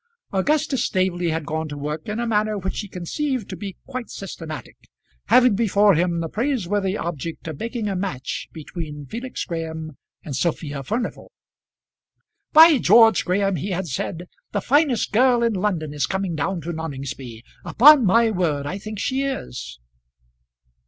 Augustus Staveley had gone to work in a manner which he conceived to be quite systematic, having before him the praiseworthy object of making a match between Felix Graham and Sophia Furnival. "By George, Graham," he had said, "the finest girl in London is coming down to Noningsby; upon my word I think she is."